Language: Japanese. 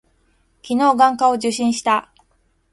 昨日、眼科を受診した。